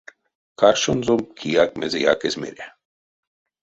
Каршонзо кияк мезеяк эзь мере.